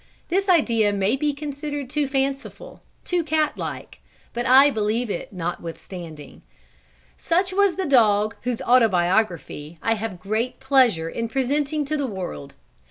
This idea may be considered too fanciful, too cat like, but I believe it notwithstanding. Such was the Dog whose autobiography I have great pleasure in presenting to the world.